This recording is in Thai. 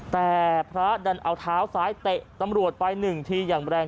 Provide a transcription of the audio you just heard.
แต่พระดันเอาเท้าซ้ายเตะตำรวจไปหนึ่งทีอย่างแรง